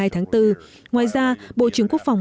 một mươi hai tháng bốn ngoài ra bộ trưởng quốc phòng